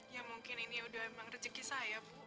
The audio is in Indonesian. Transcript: ya mungkin ini udah emang rezeki saya bu